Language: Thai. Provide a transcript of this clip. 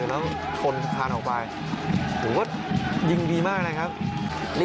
แล้วปัดโอ้โหโอ้โหโอ้โหโอ้โหโอ้โหโอ้โหโอ้โหโอ้โหโอ้โห